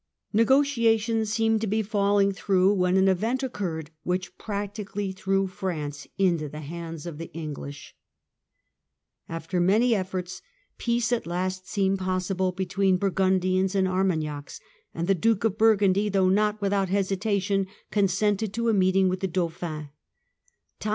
Negotiations seemed to be falling through when an event occurred which practically threw France into the hands of the English. After many efforts, peace at last seemed possible Murder or A n J.^ T\ ^ t John ot between Burgundians and Armagnacs, and the Duke ot Burgundy, Burgundy, though not without some hesitation, con ^^JJg ' ''P " sented to a meeting with the Dauphin.